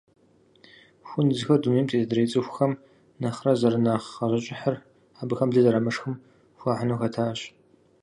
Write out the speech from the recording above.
Хунзхэр дунейм тет адрей цӏыхухэм нэхърэ зэрынэхъ гъащӏэкӏыхьыр абыхэм лы зэрамышхым хуахьыну хэтащ.